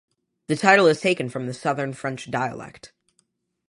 The title is taken from the Southern French dialect.